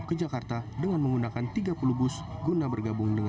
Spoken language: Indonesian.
ke stadion sidolik di jumat siang